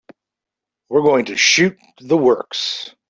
We're going to shoot the works.